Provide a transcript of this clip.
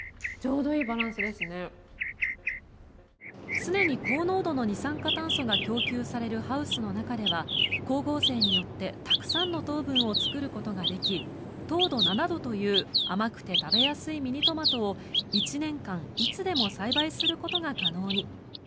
常に高濃度の二酸化炭素が供給されるハウスの中では光合成によってたくさんの糖分を作ることができ糖度７度という甘くて食べやすいミニトマトを１年間いつでも栽培することが可能に。